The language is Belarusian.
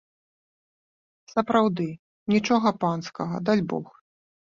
Сапраўды, нічога панскага, дальбог.